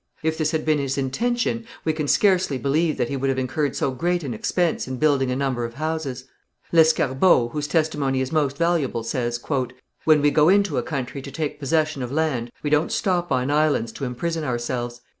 If this had been his intention, we can scarcely believe that he would have incurred so great an expense in building a number of houses. Lescarbot, whose testimony is most valuable, says: "When we go into a country to take possession of land we don't stop on islands to imprison ourselves.